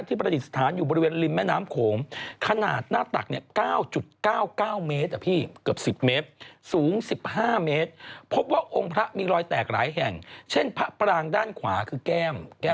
ที่ประติศธานอยู่บริเวณริมแม่น้ำโขมขนาดหน้าตักเนี่ย๙๙๙เมตรห่ะพี่